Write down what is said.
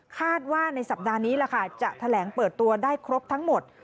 คาดว่าในสัปดาห์นี้ล่ะค่ะจะแถลงเปิดตัวได้ครบทั้งหมด